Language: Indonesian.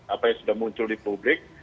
apa yang sudah muncul di publik